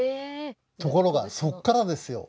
ところがそっからですよ。